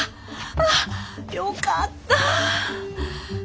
あっよかったぁ。